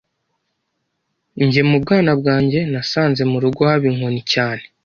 Njye mu bwana bwanjye nasanze mu rugo haba inkoni cyane